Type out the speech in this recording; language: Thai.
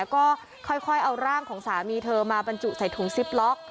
ก็ค่อยเอาร่างของสามีเธอมาบรรจุใส่ถุงซิปล็อก